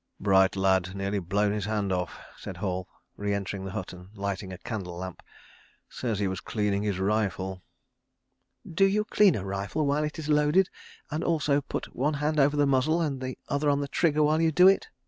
... "Bright lad nearly blown his hand off," said Hall, re entering the hut and lighting a candle lamp. "Says he was cleaning his rifle. ..." "Do you clean a rifle while it is loaded, and also put one hand over the muzzle and the other on the trigger while you do it?"